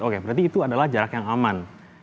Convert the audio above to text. oke berarti itu adalah jarak yang aman